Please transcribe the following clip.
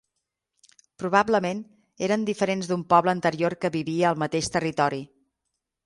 Probablement, eren diferents d'un poble anterior que vivia al mateix territori.